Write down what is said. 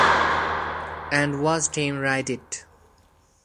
And watched him write it.